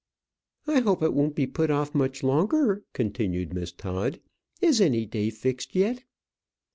"I hope it won't be put off much longer," continued Miss Todd. "Is any day fixed yet?"